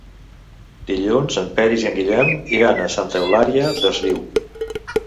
Dilluns en Peris i en Guillem iran a Santa Eulària des Riu.